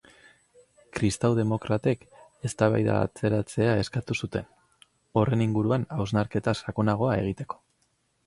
Kristau-demokratek eztabaida atzeratzea eskatu zuten, horren inguruan hausnarketa sakonagoa egiteko.